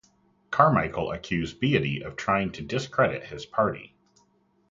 Carmichael accused Beattie of trying to discredit his party.